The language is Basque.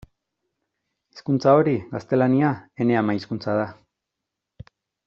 Hizkuntza hori, gaztelania, ene ama-hizkuntza da.